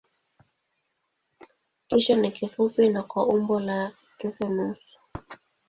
Kichwa ni kifupi na kwa umbo la tufe nusu.